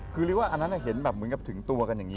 คือเรียกว่าอันนั้นเห็นแบบเหมือนกับถึงตัวกันอย่างนี้